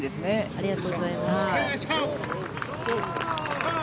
ありがとうございます。